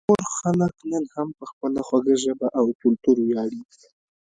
د غور خلک نن هم په خپله خوږه ژبه او کلتور ویاړي